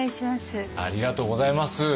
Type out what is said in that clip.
ありがとうございます。